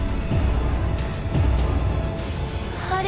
あれ？